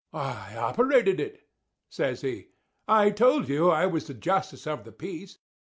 "I operated it," says he. "I told you I was justice of the peace.